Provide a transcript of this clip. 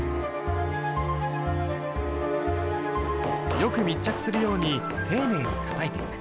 よく密着するように丁寧にたたいていく。